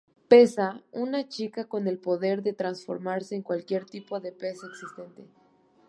Peza: Una chica con el poder de transformarse en cualquier tipo de pez existente.